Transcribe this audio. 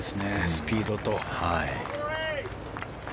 スピードと。